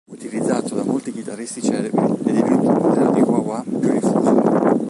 Utilizzato da molti chitarristi celebri, è divenuto il modello di wah wah più diffuso.